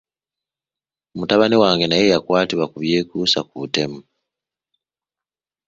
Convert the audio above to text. Mutabani wange naye yakwatibwa ku byekuusa ku butemu.